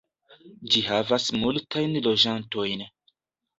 Ĝi havas multajn loĝantojn.